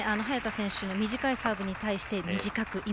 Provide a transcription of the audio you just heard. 早田選手の短いサーブに対して短く